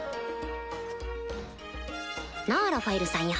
なぁラファエルさんや